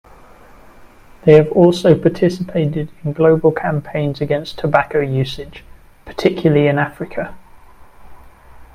They have also participated in global campaigns against tobacco usage, particularly in Africa.